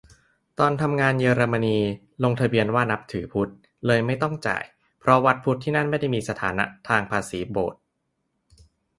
ตอนทำงานเยอรมนี ลงทะเบียนว่านับถือพุทธ เลยไม่ต้องจ่าย เพราะวัดพุทธที่นั่นไม่ได้มีสถานะทางภาษีโบสถ์